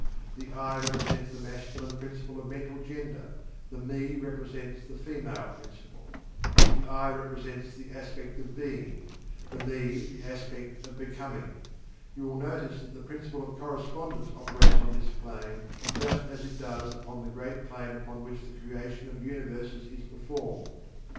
The "I" represents the Masculine Principle of Mental Gender the "Me" represents the Female Principle. The "I" represents the Aspect of Being; the "Me" the Aspect of Becoming. You will notice that the Principle of Correspondence operates on this plane just as it does upon the great plane upon which the creation of Universes is performed.